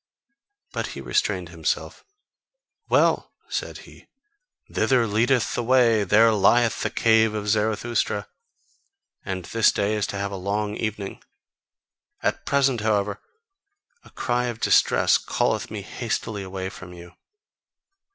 But he restrained himself. "Well!" said he, "thither leadeth the way, there lieth the cave of Zarathustra; and this day is to have a long evening! At present, however, a cry of distress calleth me hastily away from you.